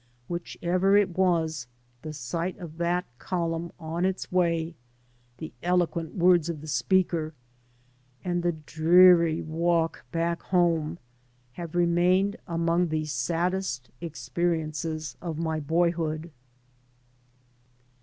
Whichever it was, the sight of that oolimin on its way, the eloquent words of the speaker, and the dreary walk back home have remained among the saddest experiences of my boyhood.